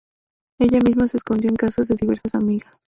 Ella misma se escondió en casas de diversas amigas.